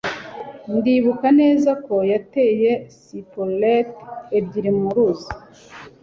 ndibuka neza ko yateye pistolet ebyiri mu ruzi